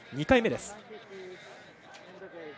２回目です。